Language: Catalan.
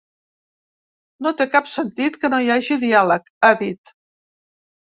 No té cap sentit que no hi hagi diàleg, ha dit.